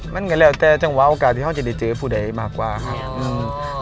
มันก็แล้วแต่จังหวะโอกาสที่เขาจะได้เจอผู้ใดมากกว่าครับ